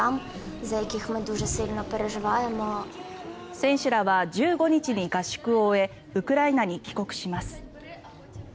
選手らは１５日に合宿を終えウクライナに帰国します。